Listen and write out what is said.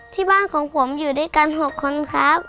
ที่บ้านของผมอยู่ด้วยกัน๖คนครับ